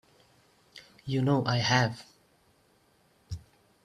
You know I have.